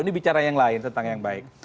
ini bicara yang lain tentang yang baik